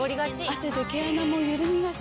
汗で毛穴もゆるみがち。